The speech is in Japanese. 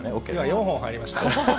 ４本入りました。